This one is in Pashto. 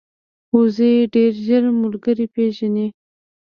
وزې ډېر ژر ملګري پېژني